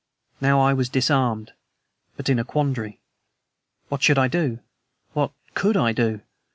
Now, I was disarmed but in a quandary. What should I do? What COULD I do?